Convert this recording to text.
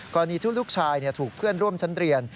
กรณีที่ลูกชายถูกเพื่อนร่วมชั้นเรียน